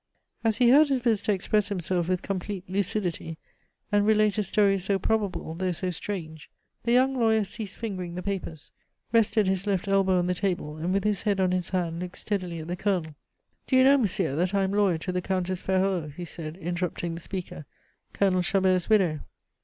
As he heard his visitor express himself with complete lucidity, and relate a story so probable though so strange, the young lawyer ceased fingering the papers, rested his left elbow on the table, and with his head on his hand looked steadily at the Colonel. "Do you know, monsieur, that I am lawyer to the Countess Ferraud," he said, interrupting the speaker, "Colonel Chabert's widow?"